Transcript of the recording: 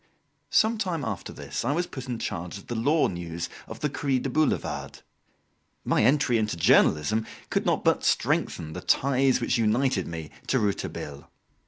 Some time after this I was put in charge of the law news of the "Cri du Boulevard." My entry into journalism could not but strengthen the ties which united me to Rouletabille.